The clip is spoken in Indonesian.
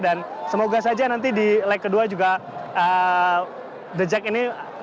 dan semoga saja nanti di lag kedua juga the jack ini